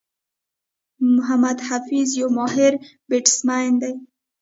محمد حفيظ یو ماهر بيټسمېن دئ.